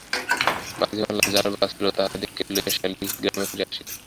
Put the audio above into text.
মাঝিমাল্লা যাহারা বাঁচিল তাহাদিগকে লইয়া শশী গ্রামে ফিরিয়া আসিলেন।